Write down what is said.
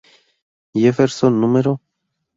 Jefferson No.